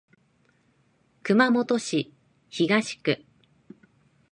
熊本市東区